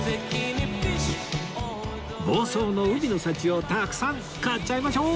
房総の海の幸をたくさん買っちゃいましょう！